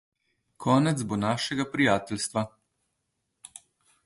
Konec bo našega prijateljstva.